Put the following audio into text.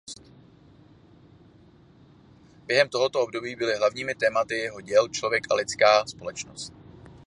Během tohoto období byly hlavními tématy jeho děl člověk a lidská společnost.